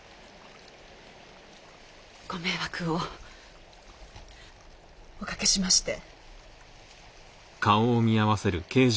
ご迷惑をおかけしまして。